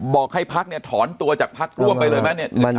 บอกให้พักฆ์ถอนตัวจากพักฆ์ทั่วไปเลยมั้ย